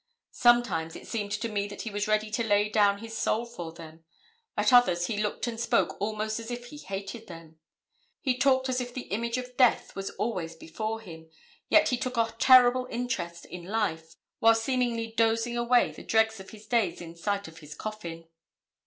Sometimes it seemed to me that he was ready to lay down his soul for them; at others, he looked and spoke almost as if he hated them. He talked as if the image of death was always before him, yet he took a terrible interest in life, while seemingly dozing away the dregs of his days in sight of his coffin.